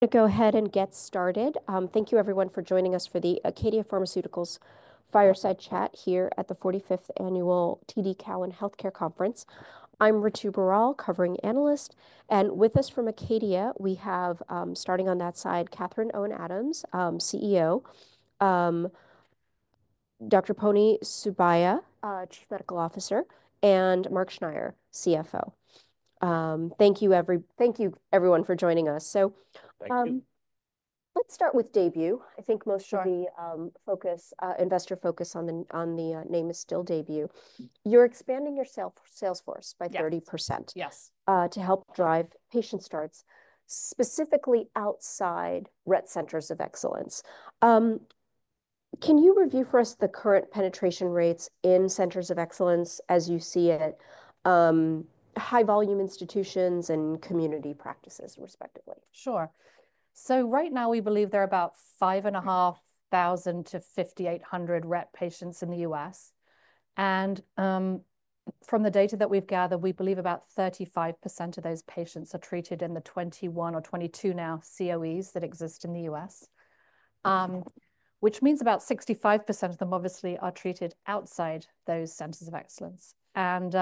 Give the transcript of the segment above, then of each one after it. To go ahead and get started, thank you everyone for joining us for the Acadia Pharmaceuticals Fireside Chat here at the 45th Annual TD Cowen Health Care Conference. I'm Ritu Baral, covering analyst, and with us from Acadia, we have, starting on that side, Catherine Owen Adams, CEO, Dr. Ponni Subbiah, Chief Medical Officer, and Mark Schneyer, CFO. Thank you everyone for joining us. So. Thank you. Let's start with Daybue. I think most of the focus, investor focus on the name is still Daybue. You're expanding your sales force by 30%. Yes. To help drive patient starts, specifically outside Rett Centers of Excellence. Can you review for us the current penetration rates in Centers of Excellence as you see it? High-volume institutions and community practices, respectively. Sure. So right now, we believe there are about 5,500 to 5,800 Rett patients in the U.S. And from the data that we've gathered, we believe about 35% of those patients are treated in the 21 or 22 now COEs that exist in the U.S., which means about 65% of them obviously are treated outside those Centers of Excellence. And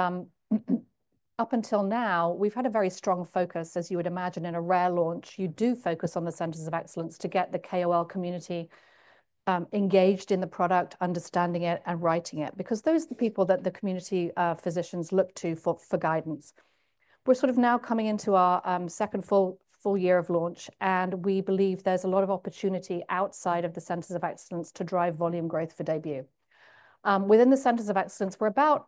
up until now, we've had a very strong focus, as you would imagine, in a rare launch, you do focus on the Centers of Excellence to get the KOL community engaged in the product, understanding it, and writing it, because those are the people that the community physicians look to for guidance. We're sort of now coming into our second full year of launch, and we believe there's a lot of opportunity outside of the Centers of Excellence to drive volume growth for Daybue. Within the Centers of Excellence, we're about,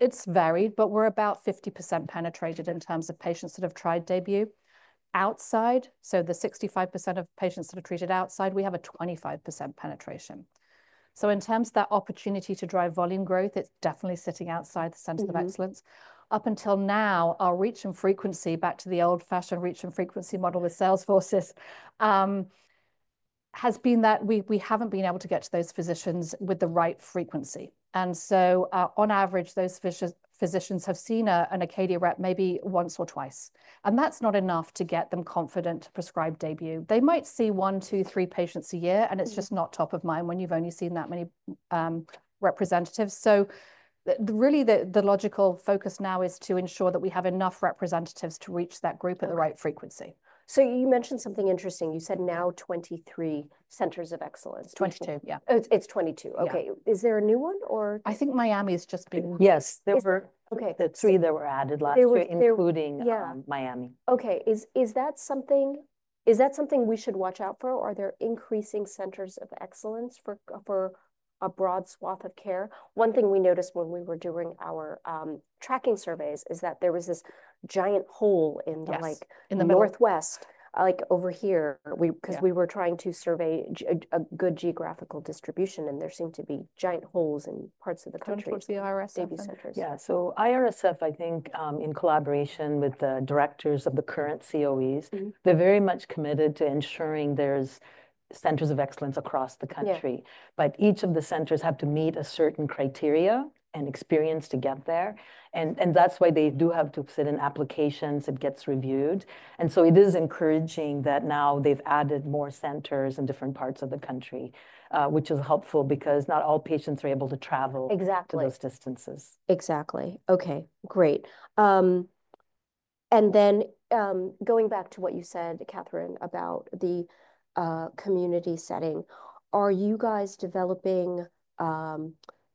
it's varied, but we're about 50% penetrated in terms of patients that have tried Daybue. Outside, so the 65% of patients that are treated outside, we have a 25% penetration. So in terms of that opportunity to drive volume growth, it's definitely sitting outside the Centers of Excellence. Up until now, our reach and frequency, back to the old-fashioned reach and frequency model with sales forces, has been that we haven't been able to get to those physicians with the right frequency. And so on average, those physicians have seen an Acadia rep maybe once or twice. And that's not enough to get them confident to prescribe Daybue. They might see one, two, three patients a year, and it's just not top of mind when you've only seen that many representatives. So really, the logical focus now is to ensure that we have enough representatives to reach that group at the right frequency. So you mentioned something interesting. You said now 23 Centers of Excellence. 22, yeah. It's 22. Okay. Is there a new one or? I think Miami has just been. Yes. There were the three that were added last year, including Miami. Okay. Is that something, is that something we should watch out for? Are there increasing Centers of Excellence for a broad swath of care? One thing we noticed when we were doing our tracking surveys is that there was this giant hole in the northwest, like over here, because we were trying to survey a good geographical distribution, and there seemed to be giant holes in parts of the country. Typical for the IRSF centers. Daybue Centers. Yeah, so IRSF, I think, in collaboration with the directors of the current COEs, they're very much committed to ensuring there's Centers of Excellence across the country, but each of the centers have to meet a certain criteria and experience to get there, and that's why they do have to submit applications, it gets reviewed, and so it is encouraging that now they've added more centers in different parts of the country, which is helpful because not all patients are able to travel. Exactly. To those distances. Exactly. Okay. Great. And then going back to what you said, Catherine, about the community setting, are you guys developing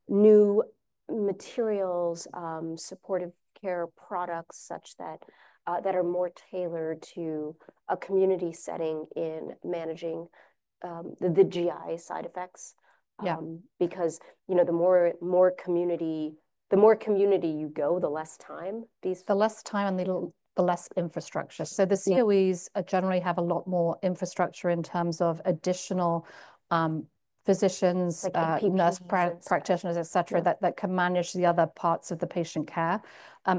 new materials, supportive care products such that are more tailored to a community setting in managing the GI side effects? Because the more community, the more community you go, the less time these. The less time and the little, the less infrastructure, so the COEs generally have a lot more infrastructure in terms of additional physicians, nurse practitioners, etc., that can manage the other parts of the patient care.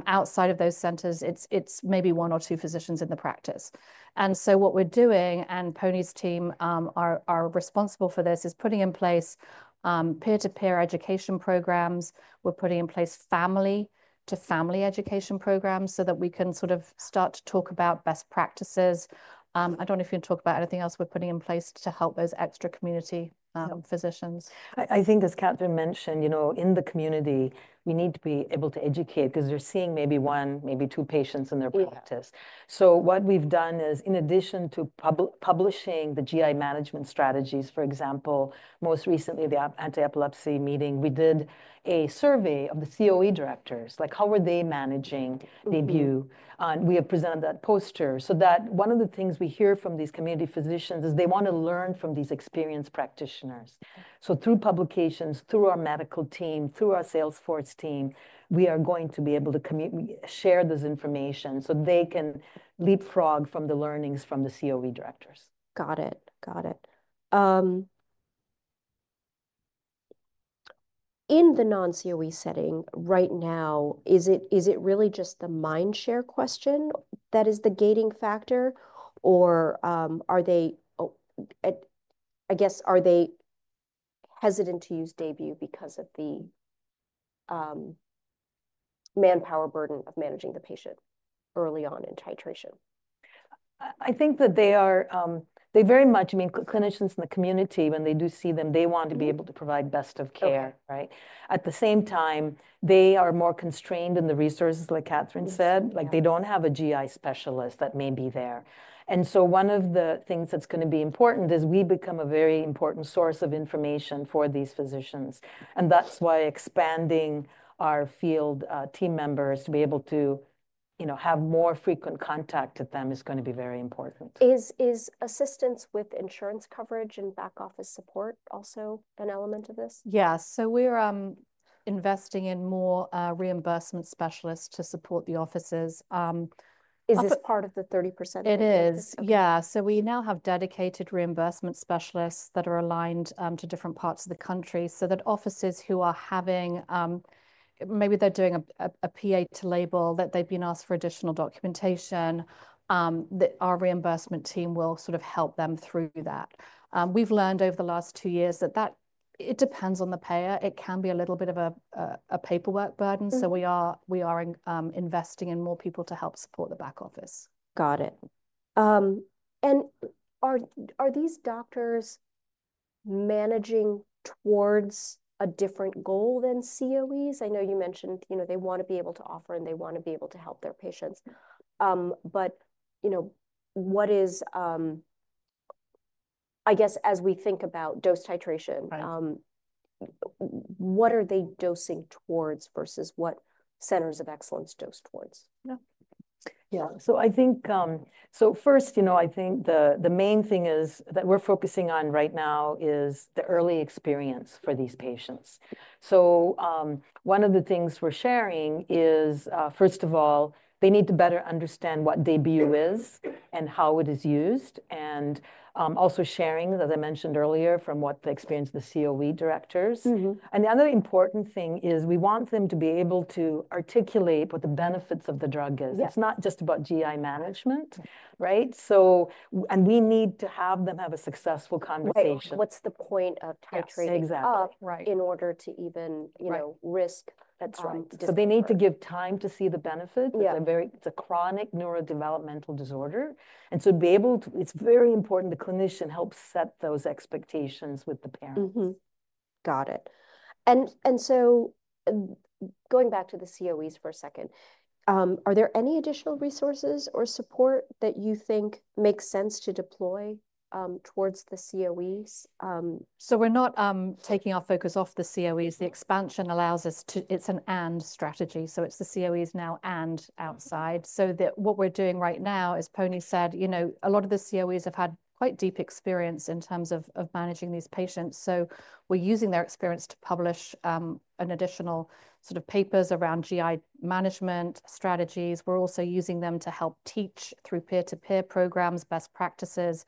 Outside of those centers, it's maybe one or two physicians in the practice, and so what we're doing, and Ponni's team are responsible for this, is putting in place peer-to-peer education programs. We're putting in place family-to-family education programs so that we can sort of start to talk about best practices. I don't know if you can talk about anything else we're putting in place to help those extra community physicians. I think, as Catherine mentioned, you know, in the community, we need to be able to educate because they're seeing maybe one, maybe two patients in their practice. So what we've done is, in addition to publishing the GI management strategies, for example, most recently, the anti-epilepsy meeting, we did a survey of the COE directors, like how were they managing Daybue. We have presented that poster so that one of the things we hear from these community physicians is they want to learn from these experienced practitioners. So through publications, through our medical team, through our sales force team, we are going to be able to share this information so they can leapfrog from the learnings from the COE directors. Got it. Got it. In the non-COE setting right now, is it really just the mind share question that is the gating factor, or are they, I guess, are they hesitant to use Daybue because of the manpower burden of managing the patient early on in titration? I think that they very much mean clinicians in the community, when they do see them, they want to be able to provide best of care, right? At the same time, they are more constrained in the resources, like Catherine said, like they don't have a GI specialist that may be there. And so one of the things that's going to be important is we become a very important source of information for these physicians. And that's why expanding our field team members to be able to have more frequent contact with them is going to be very important. Is assistance with insurance coverage and back office support also an element of this? Yeah, so we're investing in more reimbursement specialists to support the offices. Is this part of the 30%? It is. Yeah. So we now have dedicated reimbursement specialists that are aligned to different parts of the country so that offices who are having, maybe they're doing a PA to label that they've been asked for additional documentation, our reimbursement team will sort of help them through that. We've learned over the last two years that it depends on the payer. It can be a little bit of a paperwork burden. So we are investing in more people to help support the back office. Got it. And are these doctors managing towards a different goal than COEs? I know you mentioned they want to be able to offer, and they want to be able to help their patients. But what is—I guess, as we think about dose titration, what are they dosing towards versus what Centers of Excellence dose towards? Yeah. So I think—so first, you know, I think the main thing that we're focusing on right now is the early experience for these patients. So one of the things we're sharing is, first of all, they need to better understand what Daybue is and how it is used. And also sharing, as I mentioned earlier, from what the experience of the COE directors. And the other important thing is we want them to be able to articulate what the benefits of the drug is. It's not just about GI management, right? And we need to have them have a successful conversation. What's the point of titrating up in order to even risk? That's right. So they need to give time to see the benefits. It's a chronic neurodevelopmental disorder. And so be able to, it's very important the clinician helps set those expectations with the parents. Got it. And so going back to the COEs for a second, are there any additional resources or support that you think makes sense to deploy towards the COEs? We're not taking our focus off the COEs. The expansion allows us to. It's an and strategy. It's the COEs now and outside. What we're doing right now is, Ponni said, you know, a lot of the COEs have had quite deep experience in terms of managing these patients. We're using their experience to publish additional sort of papers around GI management strategies. We're also using them to help teach through peer-to-peer programs, best practices.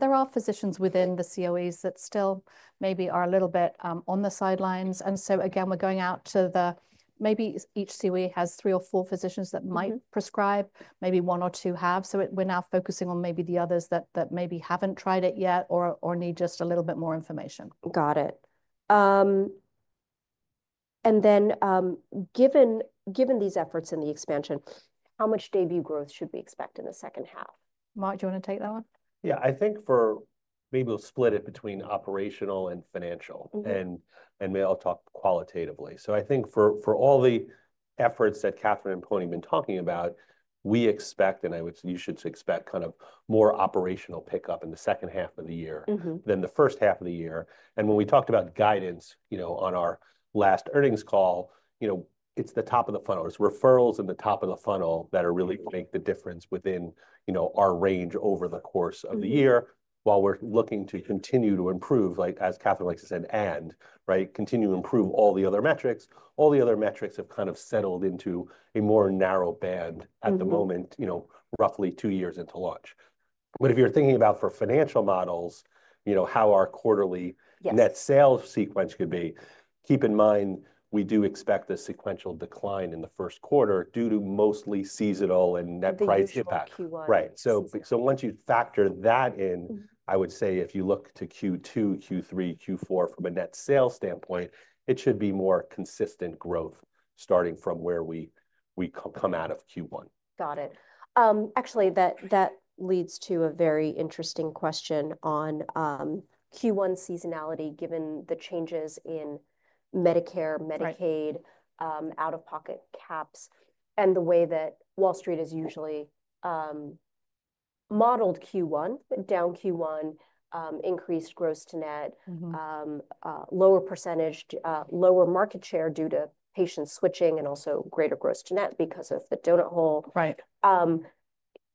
There are physicians within the COEs that still maybe are a little bit on the sidelines. Again, we're going out to the. Maybe each COE has three or four physicians that might prescribe, maybe one or two have. We're now focusing on maybe the others that maybe haven't tried it yet or need just a little bit more information. Got it. And then given these efforts in the expansion, how much Daybue growth should we expect in the second half? Mark, do you want to take that one? Yeah, I think for maybe we'll split it between operational and financial, and maybe I'll talk qualitatively. I think for all the efforts that Catherine and Ponni have been talking about, we expect, and I would say you should expect kind of more operational pickup in the second half of the year than the first half of the year. When we talked about guidance on our last earnings call, it's the top of the funnel. It's referrals in the top of the funnel that are really going to make the difference within our range over the course of the year while we're looking to continue to improve, like as Catherine likes to say, and, right, continue to improve all the other metrics. All the other metrics have kind of settled into a more narrow band at the moment, roughly two years into launch. But if you're thinking about for financial models, how our quarterly net sales sequence could be, keep in mind we do expect a sequential decline in the first quarter due to mostly seasonal and net price impact. Right. So once you factor that in, I would say if you look to Q2, Q3, Q4 from a net sales standpoint, it should be more consistent growth starting from where we come out of Q1. Got it. Actually, that leads to a very interesting question on Q1 seasonality given the changes in Medicare, Medicaid, out-of-pocket caps, and the way that Wall Street has usually modeled Q1, down Q1, increased gross to net, lower percentage, lower market share due to patient switching, and also greater gross to net because of the donut hole.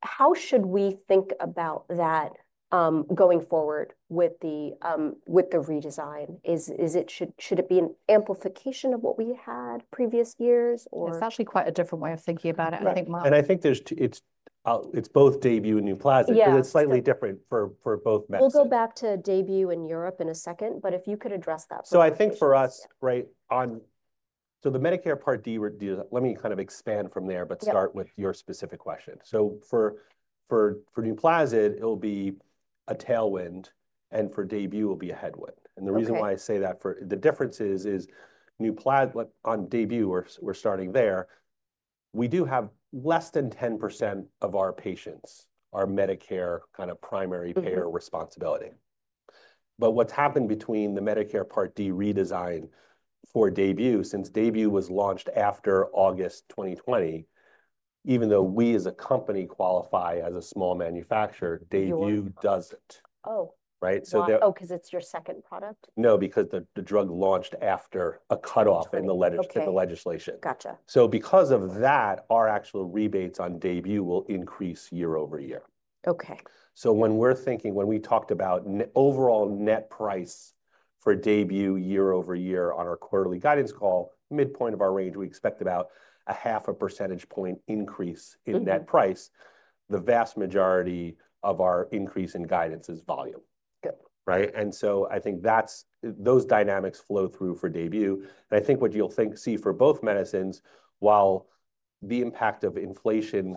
How should we think about that going forward with the redesign? Should it be an amplification of what we had previous years? It's actually quite a different way of thinking about it, I think. I think it's both Daybue and Nuplazid, but it's slightly different for both metrics. We'll go back to Daybue in Europe in a second, but if you could address that for us. So I think for us, right, so the Medicare part, let me kind of expand from there, but start with your specific question. So for Nuplazid, it'll be a tailwind, and for Daybue, it'll be a headwind. And the reason why I say that for the difference is on Daybue, we're starting there, we do have less than 10% of our patients are Medicare kind of primary payer responsibility. But what's happened between the Medicare Part D redesign for Daybue, since Daybue was launched after August 2020, even though we as a company qualify as a small manufacturer, Daybue doesn't. Oh. Right? Oh, because it's your second product? No, because the drug launched after a cutoff in the legislation. Gotcha. Because of that, our actual rebates on Daybue will increase year-over-year. Okay. So when we're thinking, when we talked about overall net price for Daybue year-over-year on our quarterly guidance call, midpoint of our range, we expect about 0.5 percentage point increase in net price. The vast majority of our increase in guidance is volume. Right? And so I think those dynamics flow through for Daybue. And I think what you'll see for both medicines, while the impact of inflation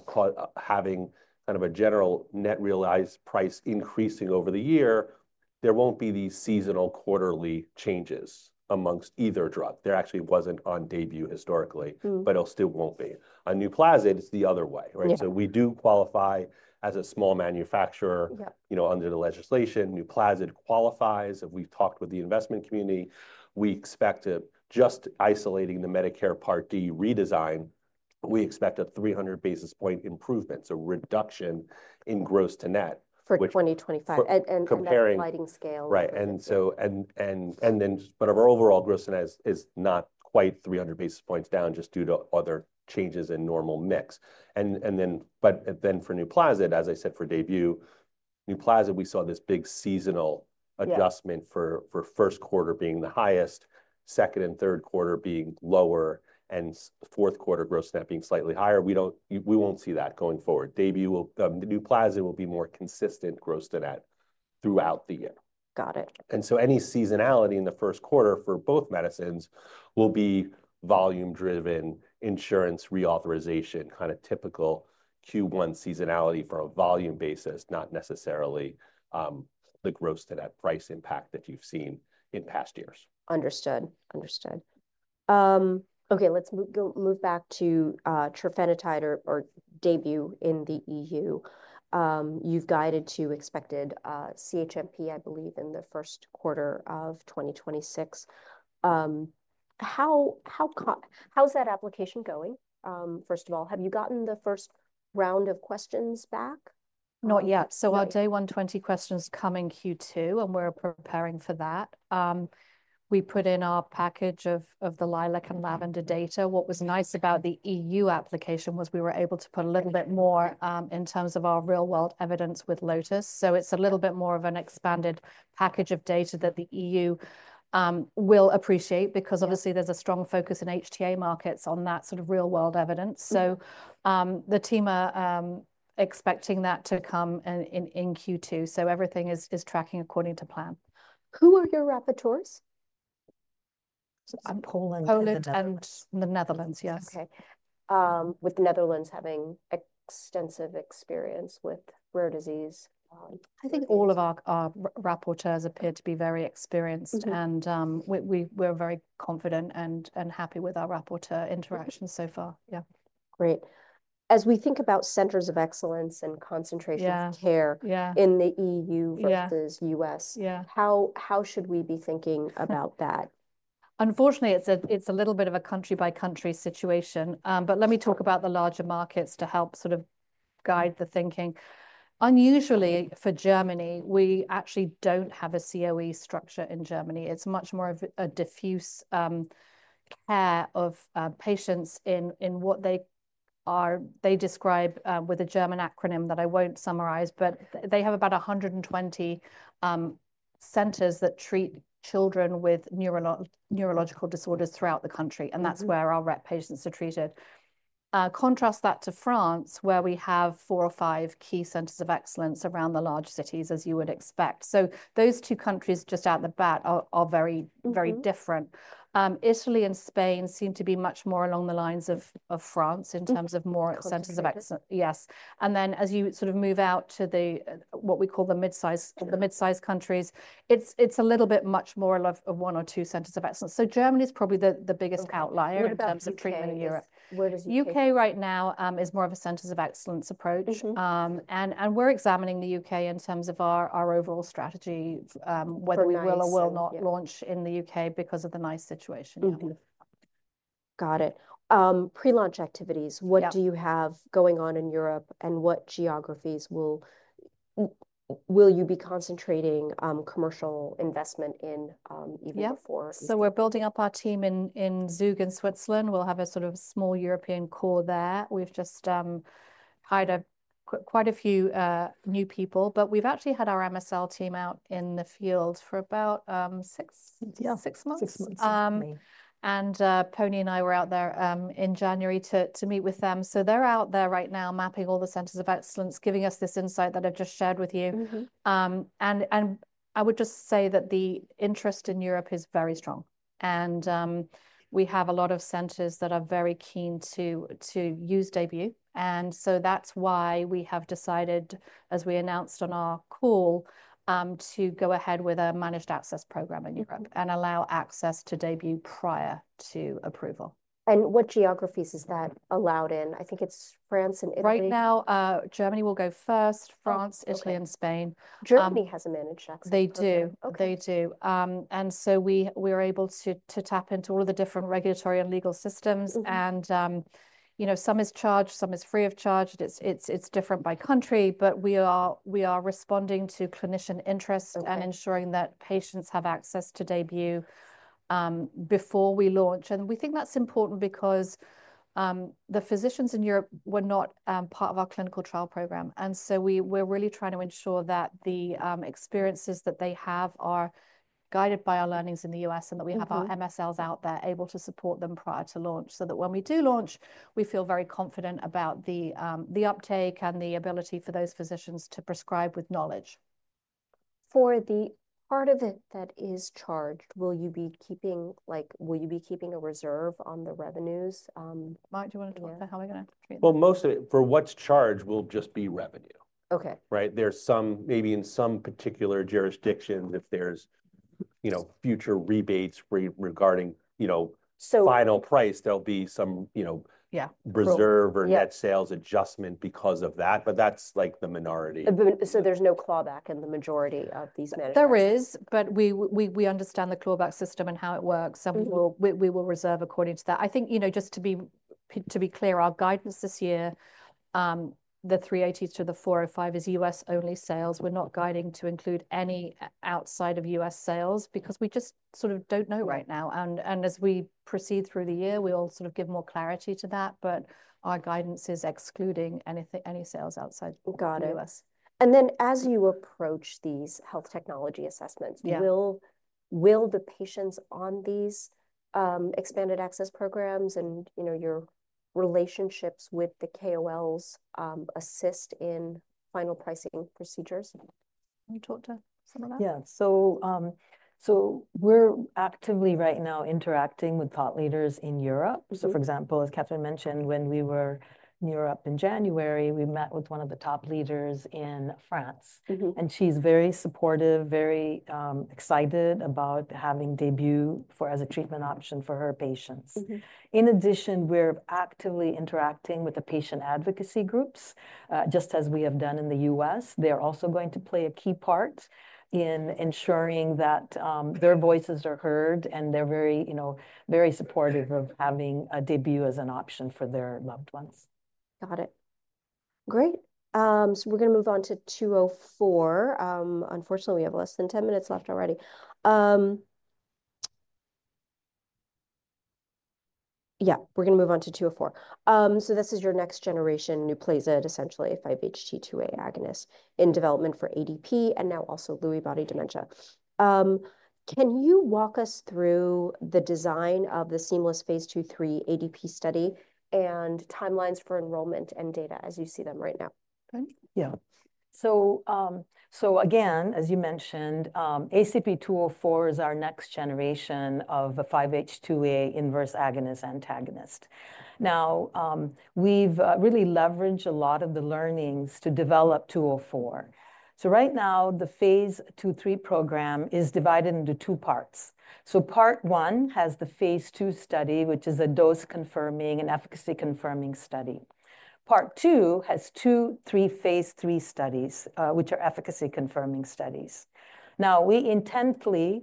having kind of a general net realized price increasing over the year, there won't be these seasonal quarterly changes amongst either drug. There actually wasn't on Daybue historically, but it still won't be. On Nuplazid, it's the other way, right? So we do qualify as a small manufacturer under the legislation. Nuplazid qualifies. If we've talked with the investment community, we expect just isolating the Medicare Part D redesign, we expect a 300 basis point improvement, so reduction in gross to net. For 2025 and comparing lighting scale. Right. And then our overall gross to net is not quite 300 basis points down just due to other changes in normal mix. But then for Nuplazid, as I said for Daybue, Nuplazid, we saw this big seasonal adjustment for first quarter being the highest, second and third quarter being lower, and fourth quarter gross net being slightly higher. We won't see that going forward. Daybue, Nuplazid will be more consistent gross to net throughout the year. Got it. And so any seasonality in the first quarter for both medicines will be volume-driven, insurance reauthorization, kind of typical Q1 seasonality for a volume basis, not necessarily the gross-to-net price impact that you've seen in past years. Understood. Okay, let's move back to trofinetide or Daybue in the EU. You've guided to expected CHMP, I believe, in the first quarter of 2026. How's that application going? First of all, have you gotten the first round of questions back? Not yet. So our day 120 questions come in Q2, and we're preparing for that. We put in our package of the Lilac and Lavender data. What was nice about the EU application was we were able to put a little bit more in terms of our real-world evidence with Lotus. So it's a little bit more of an expanded package of data that the EU will appreciate because obviously there's a strong focus in HTA markets on that sort of real-world evidence. So the team are expecting that to come in Q2. So everything is tracking according to plan. Who are your rapporteurs? Poland and the Netherlands, yes. Okay. With the Netherlands having extensive experience with rare disease. I think all of our rapporteurs appear to be very experienced, and we're very confident and happy with our rapporteur interaction so far. Yeah. Great. As we think about Centers of Excellence and concentration of care in the E.U. versus U.S., how should we be thinking about that? Unfortunately, it's a little bit of a country-by-country situation. But let me talk about the larger markets to help sort of guide the thinking. Unusually for Germany, we actually don't have a COE structure in Germany. It's much more of a diffuse care of patients in what they describe with a German acronym that I won't summarize, but they have about 120 centers that treat children with neurological disorders throughout the country. And that's where our Rett patients are treated. Contrast that to France, where we have four or five key centers of excellence around the large cities, as you would expect. So those two countries just out of the gate are very different. Italy and Spain seem to be much more along the lines of France in terms of more centers of excellence. Yes. And then as you sort of move out to what we call the mid-size countries, it's a little bit much more of one or two centers of excellence. So Germany is probably the biggest outlier in terms of treatment in Europe. U.K. right now is more of a centers of excellence approach. And we're examining the U.K. in terms of our overall strategy, whether we will or will not launch in the U.K. because of the NICE situation. Got it. Pre-launch activities, what do you have going on in Europe and what geographies will you be concentrating commercial investment in even before? So we're building up our team in Zug in Switzerland. We'll have a sort of small European core there. We've just hired quite a few new people, but we've actually had our MSL team out in the field for about six months. And Ponni and I were out there in January to meet with them. So they're out there right now mapping all the centers of excellence, giving us this insight that I've just shared with you. And I would just say that the interest in Europe is very strong. And we have a lot of centers that are very keen to use Daybue. And so that's why we have decided, as we announced on our call, to go ahead with a managed access program in Europe and allow access to Daybue prior to approval. What geographies is that allowed in? I think it's France and Italy. Right now, Germany will go first, France, Italy, and Spain. Germany has a managed access program. They do. They do, and so we were able to tap into all of the different regulatory and legal systems, and some is charged, some is free of charge. It's different by country, but we are responding to clinician interest and ensuring that patients have access to Daybue before we launch, and we think that's important because the physicians in Europe were not part of our clinical trial program, and so we're really trying to ensure that the experiences that they have are guided by our learnings in the U.S. and that we have our MSLs out there able to support them prior to launch so that when we do launch, we feel very confident about the uptake and the ability for those physicians to prescribe with knowledge. For the part of it that is charged, will you be keeping a reserve on the revenues? Mark, do you want to talk about how we're going to treat that? Most of it for what's charged will just be revenue. Right? Maybe in some particular jurisdictions, if there's future rebates regarding final price, there'll be some reserve or net sales adjustment because of that. But that's like the minority. So there's no clawback in the majority of these medicines? There is, but we understand the clawback system and how it works. So we will reserve according to that. I think, just to be clear, our guidance this year, the $380 million-$405 million, is U.S.-only sales. We're not guiding to include any outside of the U.S. sales because we just sort of don't know right now. And as we proceed through the year, we'll sort of give more clarity to that. But our guidance is excluding any sales outside of the U.S. Got it, and then as you approach these health technology assessments, will the patients on these expanded access programs and your relationships with the KOLs assist in final pricing procedures? Can you talk to some of that? Yeah. So we're actively right now interacting with thought leaders in Europe. So for example, as Catherine mentioned, when we were in Europe in January, we met with one of the top leaders in France. And she's very supportive, very excited about having Daybue as a treatment option for her patients. In addition, we're actively interacting with the patient advocacy groups, just as we have done in the U.S. They're also going to play a key part in ensuring that their voices are heard and they're very supportive of having Daybue as an option for their loved ones. Got it. Great. So we're going to move on to 204. Unfortunately, we have less than 10 minutes left already. Yeah, we're going to move on to 204. So this is your next generation Nuplazid, essentially 5-HT2A agonist in development for ADP and now also Lewy body dementia. Can you walk us through the design of the seamless phase 2/3 ADP study and timelines for enrollment and data as you see them right now? Yeah. So again, as you mentioned, ACP-204 is our next generation of a 5-HT2A inverse agonist/antagonist. Now, we've really leveraged a lot of the learnings to develop 204. So right now, the phase 2/3 program is divided into two parts. So part one has the phase 2 study, which is a dose-confirming and efficacy-confirming study. Part two has two phase 3 studies, which are efficacy-confirming studies. Now, we intentionally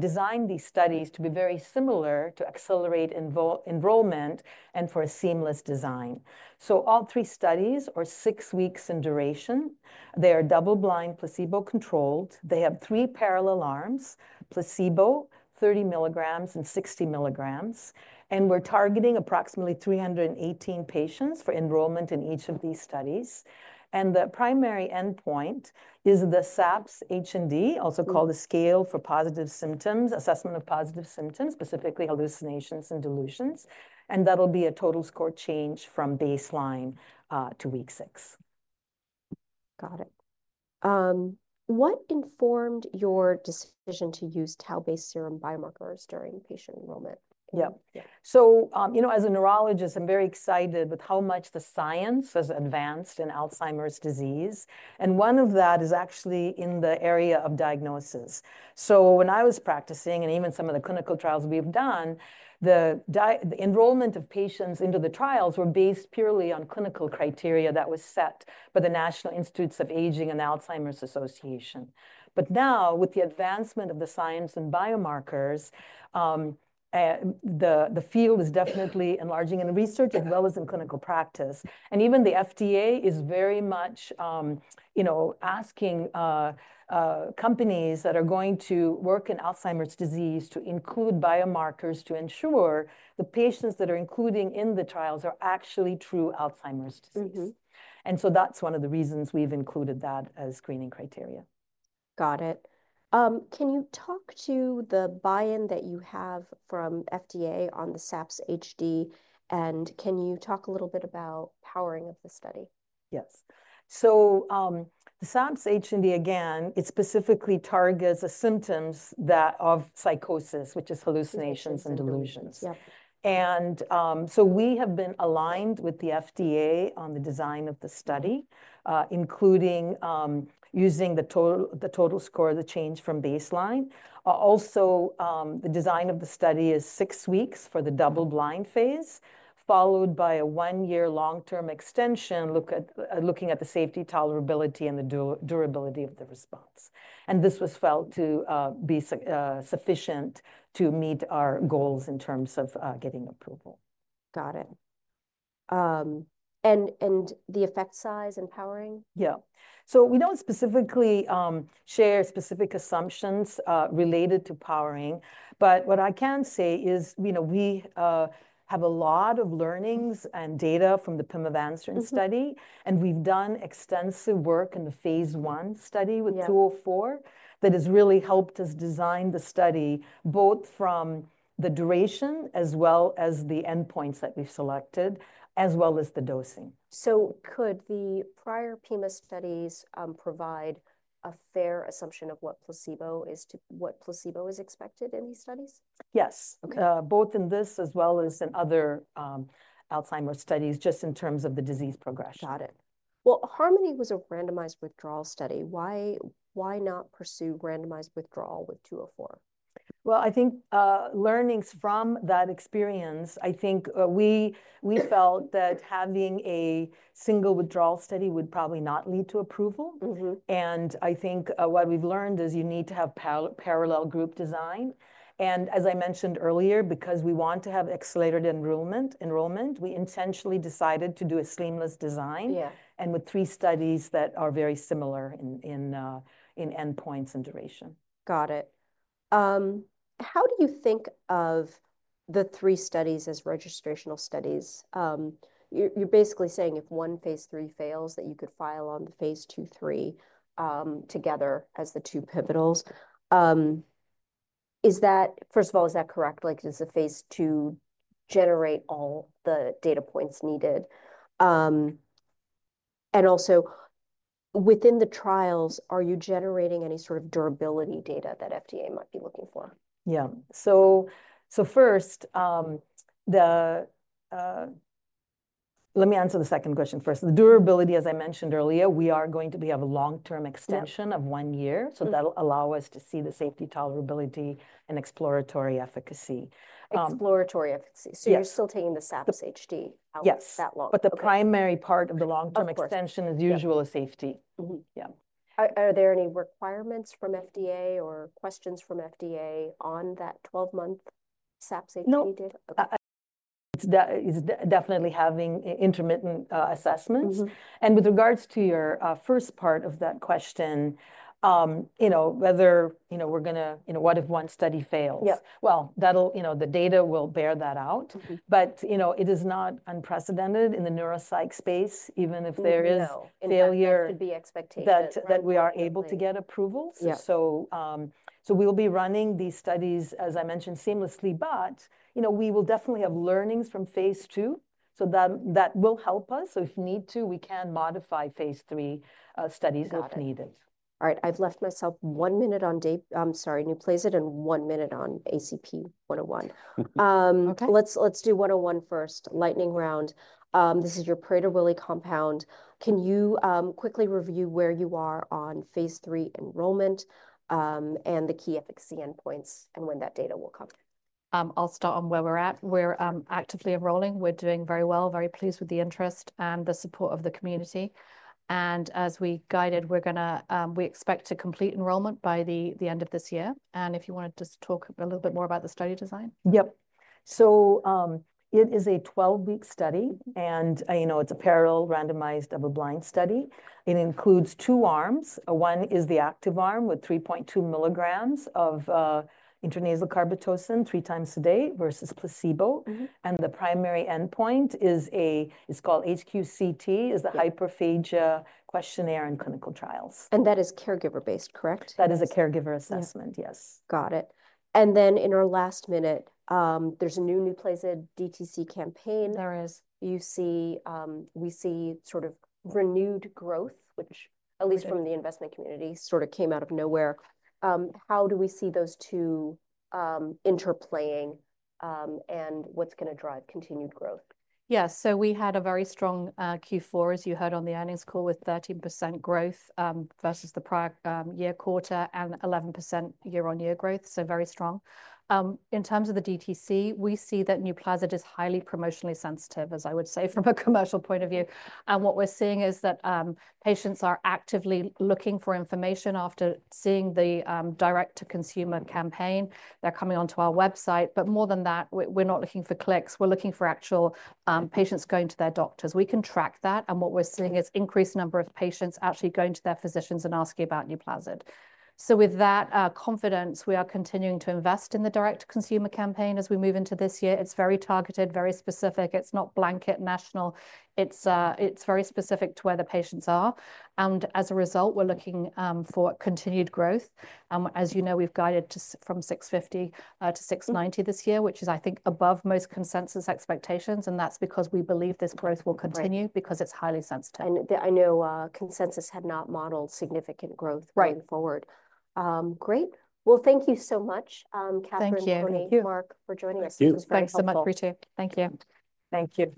designed these studies to be very similar to accelerate enrollment and for a seamless design. So all three studies are six weeks in duration. They are double-blind, placebo-controlled. They have three parallel arms, placebo, 30 mg, and 60 mg. We're targeting approximately 318 patients for enrollment in each of these studies. The primary endpoint is the SAPS-H+D, also called the Scale for the Assessment of Positive Symptoms, specifically hallucinations and delusions. That'll be a total score change from baseline to week six. Got it. What informed your decision to use tau-based serum biomarkers during patient enrollment? Yeah. So as a neurologist, I'm very excited with how much the science has advanced in Alzheimer's disease. And one of that is actually in the area of diagnosis. So when I was practicing and even some of the clinical trials we've done, the enrollment of patients into the trials were based purely on clinical criteria that was set by the National Institute on Aging and the Alzheimer's Association. But now, with the advancement of the science and biomarkers, the field is definitely enlarging in research as well as in clinical practice. And even the FDA is very much asking companies that are going to work in Alzheimer's disease to include biomarkers to ensure the patients that are included in the trials are actually true Alzheimer's disease. And so that's one of the reasons we've included that as screening criteria. Got it. Can you talk to the buy-in that you have from FDA on the SAPS-H+D? And can you talk a little bit about powering of the study? Yes, so the SAPS-H+D, again, it specifically targets the symptoms of psychosis, which is hallucinations and delusions, and so we have been aligned with the FDA on the design of the study, including using the total score of the change from baseline. Also, the design of the study is six weeks for the double-blind phase, followed by a one-year long-term extension looking at the safety, tolerability, and the durability of the response, and this was felt to be sufficient to meet our goals in terms of getting approval. Got it. And the effect size and powering? Yeah. So we don't specifically share specific assumptions related to powering. But what I can say is we have a lot of learnings and data from the pimavanserin study. And we've done extensive work in the phase 1 study with 204 that has really helped us design the study both from the duration as well as the endpoints that we've selected, as well as the dosing. Could the prior pimavanserin studies provide a fair assumption of what placebo is expected in these studies? Yes. Both in this as well as in other Alzheimer's studies, just in terms of the disease progression. Got it. Well, Harmony was a randomized withdrawal study. Why not pursue randomized withdrawal with 204? I think learnings from that experience, I think we felt that having a single withdrawal study would probably not lead to approval. And I think what we've learned is you need to have parallel group design. And as I mentioned earlier, because we want to have accelerated enrollment, we intentionally decided to do a seamless design and with three studies that are very similar in endpoints and duration. Got it. How do you think of the three studies as registrational studies? You're basically saying if one phase 3 fails, that you could file on the phase 2/3 together as the two pivotals. First of all, is that correct? Does the phase 2 generate all the data points needed? And also, within the trials, are you generating any sort of durability data that FDA might be looking for? Yeah. So first, let me answer the second question first. The durability, as I mentioned earlier, we are going to have a long-term extension of one year. So that'll allow us to see the safety, tolerability, and exploratory efficacy. Exploratory efficacy. So you're still taking the SAPS-H+D out that long? Yes. But the primary part of the long-term extension is overall safety. Yeah. Are there any requirements from FDA or questions from FDA on that 12-month SAPS-H+D data? No. It's definitely having intermittent assessments. And with regards to your first part of that question, whether we're going to, what if one study fails? Well, the data will bear that out. But it is not unprecedented in the neuropsych space, even if there is failure. That could be expectation. That we are able to get approvals. So we'll be running these studies, as I mentioned, seamlessly. But we will definitely have learnings from phase two. So that will help us. So if need to, we can modify phase three studies if needed. All right. I've left myself one minute on Daybue. I'm sorry, Nuplazid and one minute on ACP-101. Let's do 101 first, lightning round. This is your Prader-Willi syndrome compound. Can you quickly review where you are on phase three enrollment and the key efficacy endpoints and when that data will come? I'll start on where we're at. We're actively enrolling. We're doing very well. Very pleased with the interest and the support of the community. And as we guided, we expect to complete enrollment by the end of this year. And if you want to just talk a little bit more about the study design. Yep. So it is a 12-week study. And it's a parallel randomized double-blind study. It includes two arms. One is the active arm with 3.2 mg of intranasal carbetocin three times a day versus placebo. And the primary endpoint is called HQCT, is the Hyperphagia Questionnaire for Clinical Trials. That is caregiver-based, correct? That is a caregiver assessment, yes. Got it. And then in our last minute, there's a new Nuplazid DTC campaign. There is. We see sort of renewed growth, which at least from the investment community sort of came out of nowhere. How do we see those two interplaying and what's going to drive continued growth? Yeah, so we had a very strong Q4, as you heard on the earnings call, with 13% growth versus the prior year quarter and 11% year-on-year growth. So very strong. In terms of the DTC, we see that Nuplazid is highly promotionally sensitive, as I would say, from a commercial point of view. And what we're seeing is that patients are actively looking for information after seeing the direct-to-consumer campaign. They're coming onto our website. But more than that, we're not looking for clicks. We're looking for actual patients going to their doctors. We can track that. And what we're seeing is an increased number of patients actually going to their physicians and asking about Nuplazid. So with that confidence, we are continuing to invest in the direct-to-consumer campaign as we move into this year. It's very targeted, very specific. It's not blanket national. It's very specific to where the patients are. And as a result, we're looking for continued growth. As you know, we've guided from $650-$690 this year, which is, I think, above most consensus expectations. And that's because we believe this growth will continue because it's highly sensitive. I know consensus had not modeled significant growth going forward. Great. Thank you so much, Catherine and Mark, for joining us. Thank you. Thanks so much, Ritu. Thank you. Thank you.